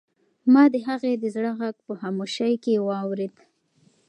ما د هغې د زړه غږ په خاموشۍ کې واورېد.